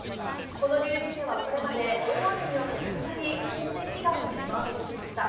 この流域ではこれまで、大雨によってたびたび浸水被害に見舞われてきました。